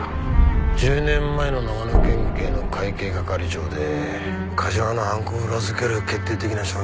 １０年前の長野県警の会計係長で梶間の犯行を裏付ける決定的な証言をした男だ。